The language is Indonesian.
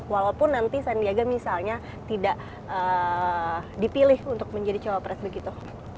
walaupun nanti sandiaga misalnya tidak dipilih untuk menjadi cawapres begitu